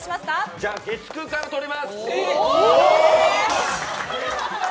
じゃあ月９から取ります。